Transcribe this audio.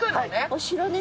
お城ね。